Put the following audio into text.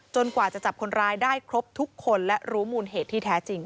กว่าจะจับคนร้ายได้ครบทุกคนและรู้มูลเหตุที่แท้จริง